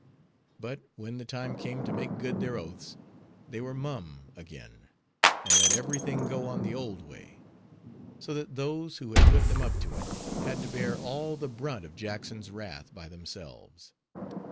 But when the time came to make good their oaths, they were mum again, and let every thing go on the old way; so that those who had put them up to it, had to bear all the brunt of Jackson's wrath by themselves.